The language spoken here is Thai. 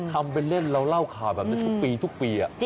ทำเป็นเล่นเราเล่าข่าวแบบนี้ทุกปีทุกปี